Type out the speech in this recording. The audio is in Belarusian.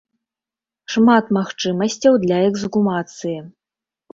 Шмат магчымасцяў для эксгумацыі.